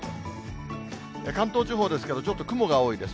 関東地方ですけれども、ちょっと雲が多いです。